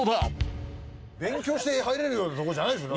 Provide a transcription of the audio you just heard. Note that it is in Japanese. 勉強して入れるようなとこじゃないでしょ。